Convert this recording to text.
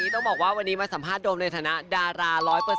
ต้องบอกว่าวันนี้มาสัมภาษณโดมในฐานะดารา๑๐๐